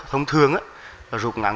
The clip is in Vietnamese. thông thường rụt ngắn